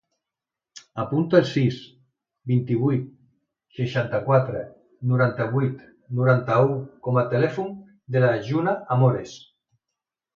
Apunta el sis, vint-i-vuit, seixanta-quatre, noranta-vuit, noranta-u com a telèfon de la Juna Amores.